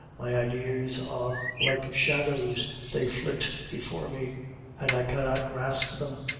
My ideas are like shadows; they flit before me, and I cannot grasp them.